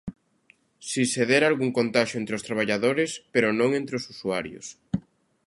Si se dera algún contaxio entre os traballadores, pero non entre os usuarios.